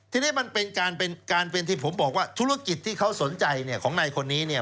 ทีนี้มันเป็นการเป็นที่ผมบอกว่าธุรกิจที่เขาสนใจของในคนนี้